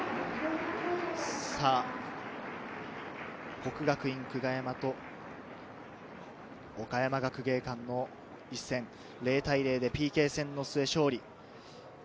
國學院久我山と岡山学芸館の一戦、０対０でＰＫ戦の末、勝利。